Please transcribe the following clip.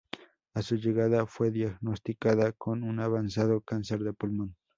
A su llegada, fue diagnosticada con un avanzado cáncer de pulmón.